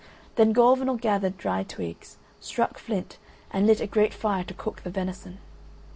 Then Gorvenal gathered dry twigs, struck flint, and lit a great fire to cook the venison.